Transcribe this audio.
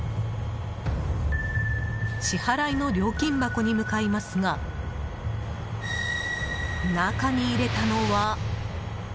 支払いの料金箱に向かいますが中に入れたのは。